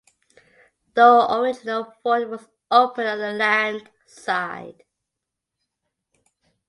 The original fort was open on the land side.